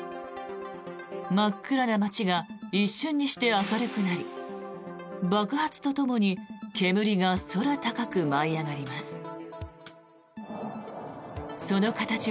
真っ暗な街が一瞬にして明るくなり爆発とともに煙が空高く舞い上がります。